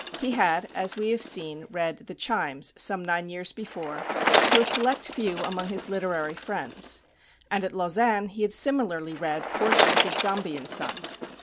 He had, as we have seen, read "The Chimes" some nine years before, to a select few among his literary friends; and at Lausanne he had similarly read portions of "Dombey and Son."